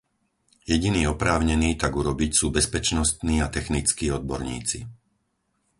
Jediní oprávnení tak urobiť sú bezpečnostní a technickí odborníci.